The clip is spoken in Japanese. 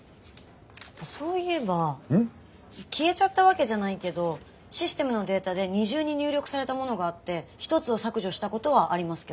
消えちゃったわけじゃないけどシステムのデータで二重に入力されたものがあって１つを削除したことはありますけど。